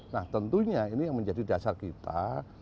nah tentunya ini yang menjadi dasar kita